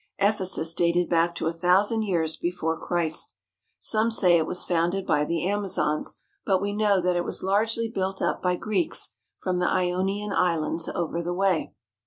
Ephesus dated back to a thousand years before Christ. Some say it was founded by the Amazons, but we know that it was largely built up by Greeks from the Ionian Islands over the way.